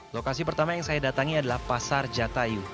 lokasi pertama yang saya datangi adalah pasar jatayu